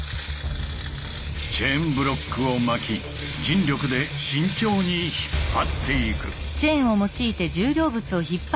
チェーンブロックを巻き人力で慎重に引っ張っていく。